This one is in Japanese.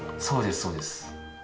そうですそうです。